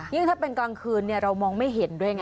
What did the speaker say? ถ้าเป็นกลางคืนเรามองไม่เห็นด้วยไง